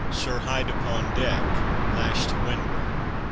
Sir Hyde upon deck lashed to windward!